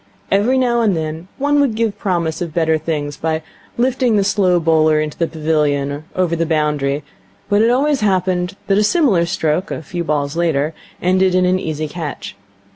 Every now and then one would give promise of better things by lifting the slow bowler into the pavilion or over the boundary, but it always happened that a similar stroke, a few balls later, ended in an easy catch.